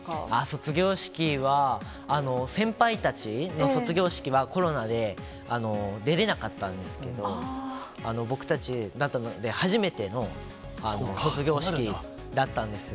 卒業式は、先輩たちの卒業式はコロナで出れなかったんですけど、僕たち、初めての卒業式だったんです。